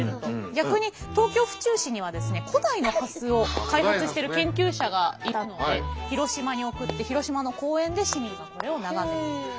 逆に東京・府中市には古代の蓮を開発してる研究者がいたので広島に贈って広島の公園で市民がこれを眺めていると。